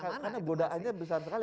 karena godaannya besar sekali